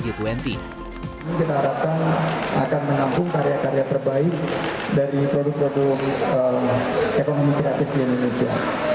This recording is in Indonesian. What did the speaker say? ini kita harapkan akan menampung karya karya terbaik dari produk produk ekonomi kreatif di indonesia